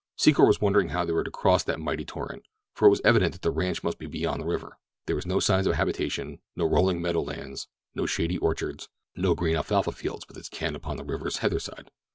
Secor was wondering how they were to cross that mighty torrent, for it was evident that the ranch must be beyond the river—there were no signs of habitation, no rolling meadow lands, no shady orchards, no green alfalfa fields within his ken upon the river's hither side.